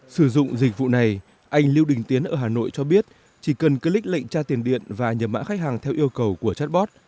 sử dụng dịch vụ này anh lưu đình tiến ở hà nội cho biết chỉ cần click lệnh tra tiền điện và nhập mã khách hàng theo yêu cầu của chatbot